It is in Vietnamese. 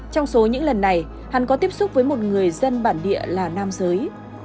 trong số những lần này hắn có tiếp xúc với một người dân bản địa là nam giới